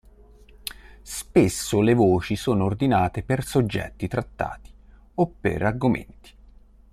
Spesso le voci sono ordinate per soggetti trattati o per argomenti.